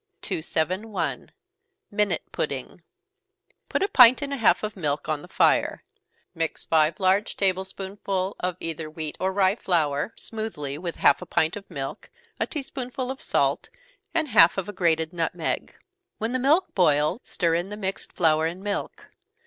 271. Minute Pudding. Put a pint and a half of milk on the fire. Mix five large table spoonsful of either wheat or rye flour, smoothly, with half a pint of milk, a tea spoonful of salt, and half of a grated nutmeg. When the milk boils, stir in the mixed flour and milk.